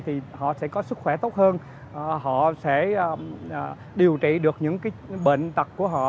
thì họ sẽ có sức khỏe tốt hơn họ sẽ điều trị được những bệnh tật của họ